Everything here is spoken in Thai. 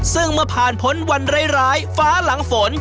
ซึ่งมาผ่านผลวันร้ายฟ้าหลังฝน